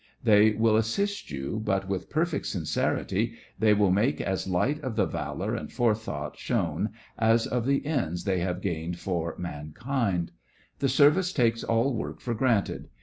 They will assist you, but with perfect sincerity they will make as light of the valour and forethought shown as of the ends they have gained for mankind. The Service takes all work for granted.